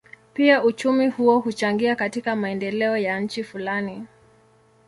Pia uchumi huo huchangia katika maendeleo ya nchi fulani.